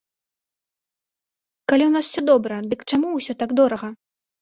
Калі ў нас усё добра, дык чаму ўсё так дорага?